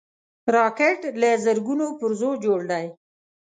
راکټ له زرګونو پرزو جوړ دی